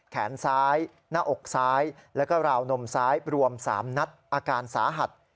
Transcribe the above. แขนซ้ายหน้าอกซ้ายแล้วก็ราวนมซ้ายรวม๓นัดอาการสาหัส